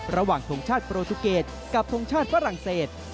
ระหว่างทรงชาติโปรตูเกตกับทรงชาติฝรั่งเศส